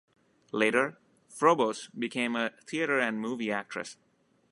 Later, Froboess became a theatre and movie actress.